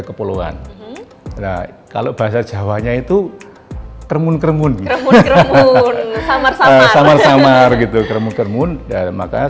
suatu tujuan nah kalau bahasa jawanya itu kermun kermun kermun kermun kermun kermun dan maka